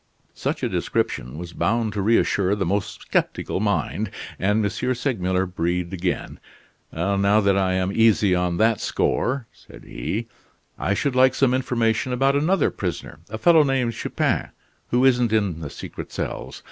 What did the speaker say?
Such a description was bound to reassure the most skeptical mind, and M. Segmuller breathed again: "Now that I am easy on that score," said he, "I should like some information about another prisoner a fellow named Chupin, who isn't in the secret cells.